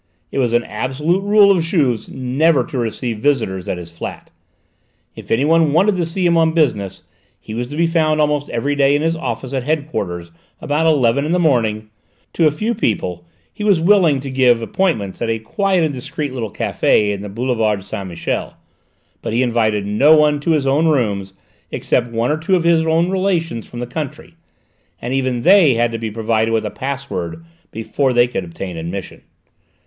It was an absolute rule of Juve's never to receive visitors at his flat. If anyone wanted to see him on business, he was to be found almost every day in his office at head quarters about eleven in the morning; to a few people he was willing to give appointments at a quiet and discreet little café in the boulevard Saint Michel; but he invited no one to his own rooms except one or two of his own relations from the country, and even they had to be provided with a password before they could obtain admission.